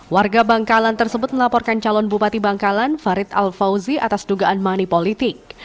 warga bangkalan tersebut melaporkan calon bupati bangkalan farid al fauzi atas dugaan money politik